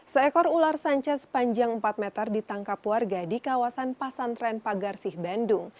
seekor ular sanca sepanjang empat meter ditangkap warga di kawasan pasantren pagarsih bandung